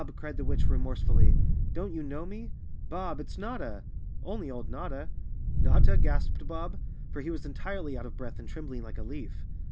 cried the witch remorsefully, "don't you know me? Bob, it's Notta—only old Notta!" "Notta?" gasped Bob, for he was entirely out of breath and trembling like a leaf.